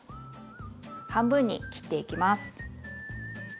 半分に切っていきます。